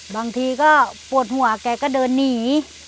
บางทีก็ปวดหัวแกก็เดินหนี